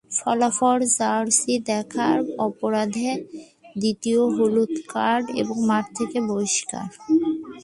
ফলাফল জার্সি দেখার অপরাধে দ্বিতীয় হলুদ কার্ড, এবং মাঠ থেকে বহিষ্কার।